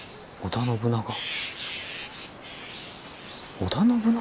織田信長。